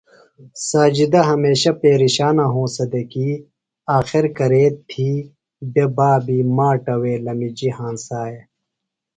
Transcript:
ساجدہ ہمیشہ پیرِشان ہونسہ دےۡ کی آخر کرے تھی بےۡ بابی ماٹہ وے لمِجیۡ ہنسیا۔